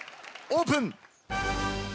オープン。